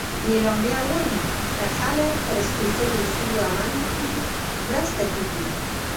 اعلامیه وایي که خلک پر سپیڅلو اصولو عمل وکړي، مرسته کېږي.